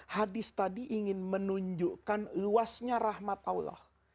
hadis tadi ingin menunjukkan luasnya rahmat allah